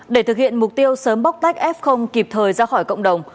để thực hiện mục tiêu sớm bóc tách f kịp thời ra khỏi cộng đồng